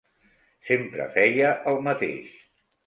Sempre feia el mateix.